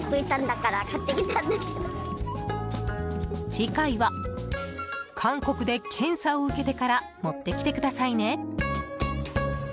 次回は韓国で検査を受けてから持ってきてくださいね。